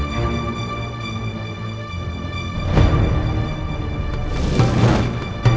jangan lupa joko tingkir